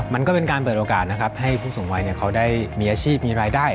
มันก็เป็นการเปิดโอกาสนะครับให้ผู้สูงวัยเขาได้มีอาชีพมีรายได้